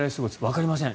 わかりません。